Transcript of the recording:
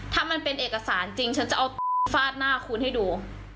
ถ้ามันเป็นเอกสารจริงฉันจะเอาฟาดหน้าคุณให้ดู